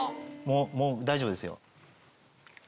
もう大丈夫ですよ。